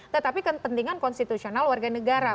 tetapi kepentingan konstitusional warga negara